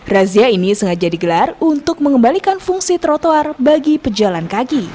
razia ini sengaja digelar untuk mengembalikan fungsi trotoar bagi pejalan kaki